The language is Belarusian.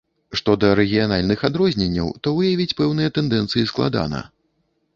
Што да рэгіянальных адрозненняў, то выявіць пэўныя тэндэнцыі складана.